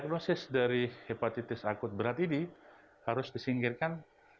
dan diagnosis dari hepatitis akut berat ini harus disingkirkan